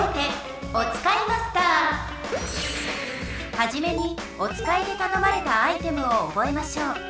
はじめにおつかいでたのまれたアイテムを覚えましょう。